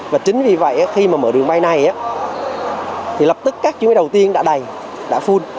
và chính vì vậy khi mở đường bay này lập tức các chuyến bay đầu tiên đã đầy đã full